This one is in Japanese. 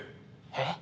えっ？